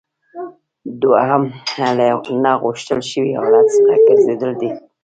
دوهم له نه غوښتل شوي حالت څخه ګرځیدل دي.